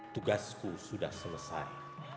tugasku sudah selesai